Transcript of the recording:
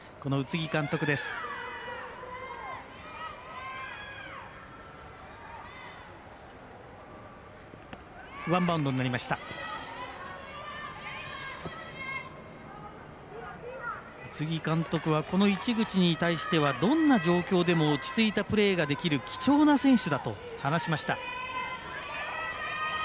宇津木監督はこの市口に対してはどんな状況でも落ち着いたプレーができる貴重な選手だと話しました。